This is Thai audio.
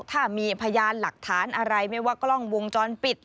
ถ้ามีพยานหลักฐานอะไรไม่ว่ากล้องวงจรปิด